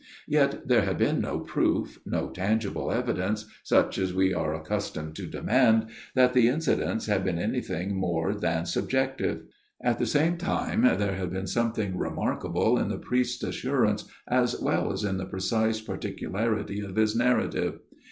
Yet there had been no proof, no tangible evidence, such as we are accustomed to demand, that the incidents had been anything more than subjective. At the same time there had been something remarkable in the priest's assurance as well as in the precise particularity of his narrative.